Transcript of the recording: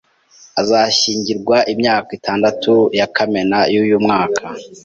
Azashyingirwa imyaka itandatu ku ya Kamena uyu mwaka.